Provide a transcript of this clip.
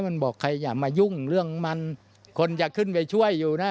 มันบอกใครอย่ามายุ่งเรื่องมันคนจะขึ้นไปช่วยอยู่นะ